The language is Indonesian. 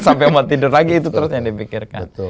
sampai mau tidur lagi itu terus yang dipikirkan